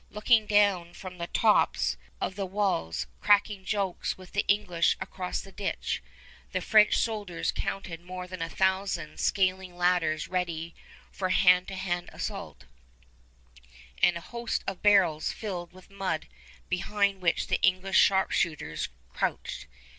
Looking down from the tops of the walls, cracking jokes with the English across the ditch, the French soldiers counted more than a thousand scaling ladders ready for hand to hand assault, and a host of barrels filled with mud behind which the English sharpshooters crouched.